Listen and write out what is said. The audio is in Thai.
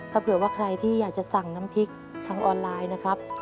ถ้าเผื่อว่าใครที่อยากจะสั่งน้ำพริกทางออนไลน์นะครับ